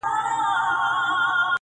ته خبر یې د تودې خوني له خونده؟-!